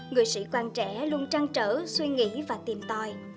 người sĩ quan trẻ luôn trăn trở suy nghĩ và tìm tòi